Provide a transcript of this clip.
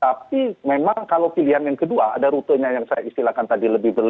tapi memang kalau pilihan yang kedua ada rutenya yang saya istilahkan tadi lebih